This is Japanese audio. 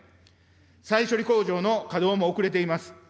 再処理工場の稼働も遅れています。